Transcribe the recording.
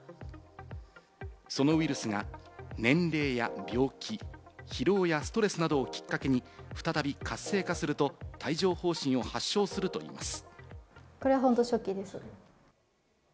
そのウイルスが年齢や病気、疲労やストレスなどをきっかけに再び活性化すると帯状疱疹を発症するといいます。